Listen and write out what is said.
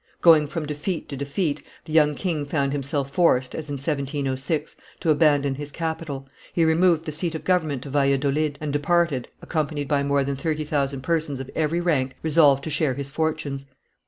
Going from defeat to defeat, the young king found himself forced, as in 1706, to abandon his capital; he removed the seat of government to Valladolid, and departed, accompanied by more than thirty thousand persons of every rank, resolved to share his fortunes.